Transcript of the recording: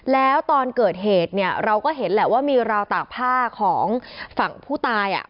แล้วตอนเกิดเหตุเนี่ยเราก็เห็นแหละว่ามีราวตากผ้าของฝั่งผู้ตายอ่ะ